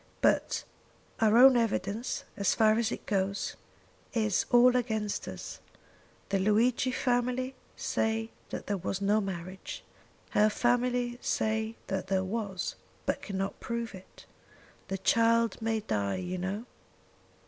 But our own evidence as far as it goes is all against us. The Luigi family say that there was no marriage. Her family say that there was, but cannot prove it. The child may die, you know."